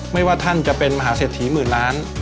ไม่ว่าท่านจะเป็นมหาเสถี๑๐๐๐๐ล้าน